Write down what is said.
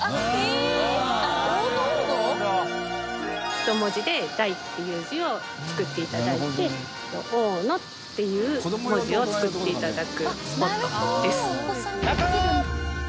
人文字で「大」っていう字を作って頂いて「大野」っていう文字を作って頂くスポットです。